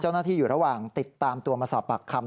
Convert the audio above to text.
เจ้าหน้าที่อยู่ระหว่างติดตามตัวมาสอบปากคำ